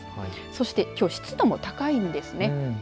そしてきょう湿度も高いんですね。